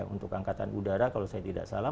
untuk angkatan udara kalau saya tidak salah